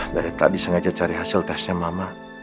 dari tadi sengaja cari hasil tesnya mama